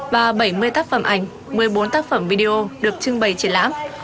và bảy mươi tác phẩm ảnh một mươi bốn tác phẩm video được trưng bày triển lãm